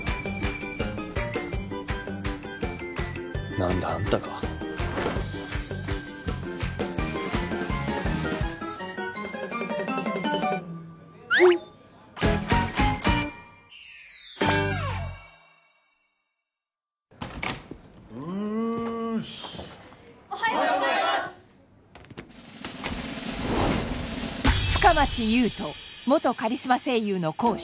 何だあんたかフンうーっすおはようございます元カリスマ声優の講師